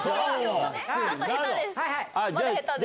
ちょっと下手です。